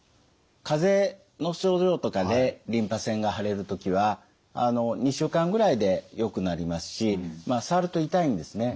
かぜの症状とかでリンパ腺が腫れる時は２週間ぐらいでよくなりますしまあ触ると痛いんですね。